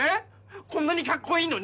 こんなにカッコいいのに？